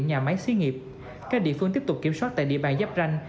nhà máy xí nghiệp các địa phương tiếp tục kiểm soát tại địa bàn giáp ranh